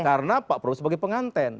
karena pak prabowo sebagai penganten